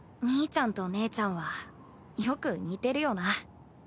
兄ちゃんと姉ちゃんはよく似てるよな